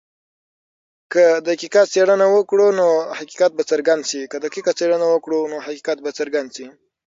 که دقیقه څېړنه وکړو نو حقیقت به څرګند سي.